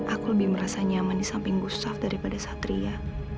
aku lebih merasa nyaman di samping gustaf daripada satria